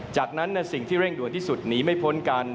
จากนั้นสิ่งที่เร่งด่วนที่สุดหนีไม่พ้นกัน